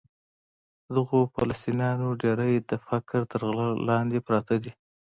د دغو فلسطینیانو ډېری د فقر تر غره لاندې پراته دي.